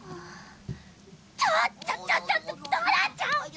ちょっちょっちょっとドラちゃん！